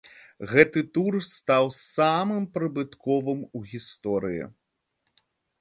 Гэты тур стаў самым прыбытковым у гісторыі.